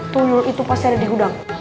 tuyul itu pas seri di gudang